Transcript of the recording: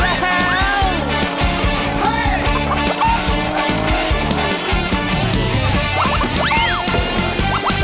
มาเยือนทินกระวีและสวัสดี